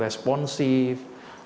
kalau kurang cukup cukup